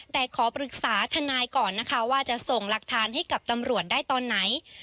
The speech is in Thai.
แต่ขอปรึกษาทนายก่อนนะคะว่าจะส่งหลักฐานให้กับตำรวจได้ตอนไหน